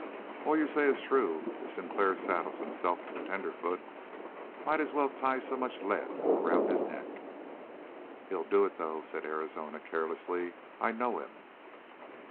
"All you say is true, if Sinclair saddles himself with the tenderfoot. Might as well tie so much lead around his neck." "He'll do it, though," said Arizona carelessly. "I know him."